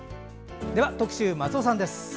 では特集、松尾さんです。